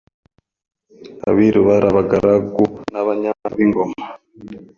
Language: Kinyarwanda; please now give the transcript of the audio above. Abiru bari abagaragu n’abanyamabanga b’ingoma,